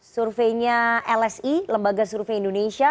surveinya lsi lembaga survei indonesia